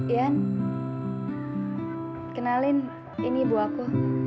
ian kenalin ini ibu aku